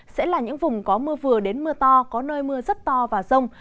sẽ là những vùng có mưa vừa đến mưa to có nơi mưa rất to và rông